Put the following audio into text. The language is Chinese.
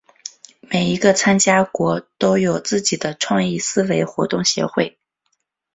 每一个参加国都有自己的创意思维活动协会。